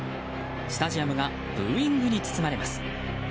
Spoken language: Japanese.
スタジアムがブーイングに包まれます。